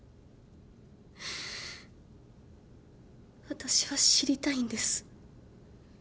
私は知りたいんです。